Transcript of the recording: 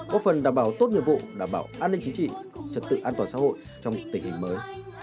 góp phần đảm bảo tốt nhiệm vụ đảm bảo an ninh chính trị trật tự an toàn xã hội trong tình hình mới